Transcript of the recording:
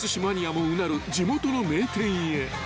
もうなる地元の名店へ］